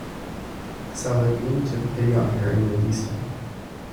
Saladin took pity on her and released him.